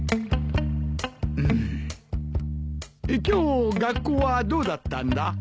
今日学校はどうだったんだ？